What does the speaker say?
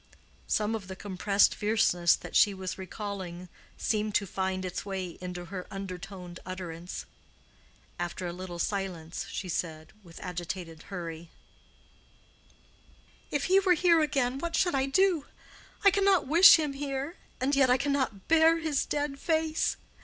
Some of the compressed fierceness that she was recalling seemed to find its way into her undertoned utterance. After a little silence she said, with agitated hurry, "If he were here again, what should I do? I cannot wish him here—and yet I cannot bear his dead face.